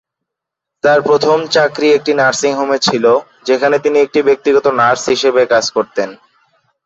তার প্রথম চাকরি একটি নার্সিং হোমে ছিল, যেখানে তিনি একটি ব্যক্তিগত নার্স হিসেবে কাজ করতেন।